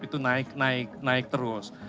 itu naik naik terus